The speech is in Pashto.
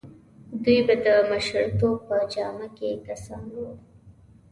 دوی به د مشرتوب په جامه کې کسان وو.